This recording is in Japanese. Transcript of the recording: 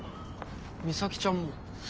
美咲ちゃんも。